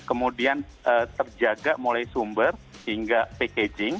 kemudian terjaga mulai sumber hingga packaging